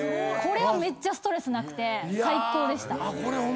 これはめっちゃストレスなくて最高でした。